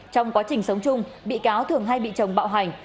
trong quá trình sống chung bị cáo thường hay bị chồng bạo hành